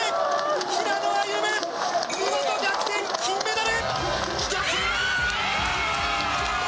平野歩夢、見事逆転、金メダル。